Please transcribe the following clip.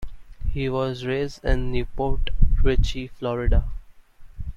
He was raised in New Port Richey, Florida.